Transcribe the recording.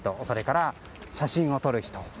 それから、写真を撮る人。